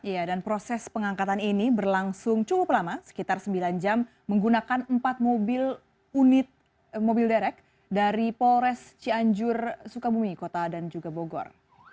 ya dan proses pengangkatan ini berlangsung cukup lama sekitar sembilan jam menggunakan empat mobil unit mobil derek dari polres cianjur sukabumi kota dan juga bogor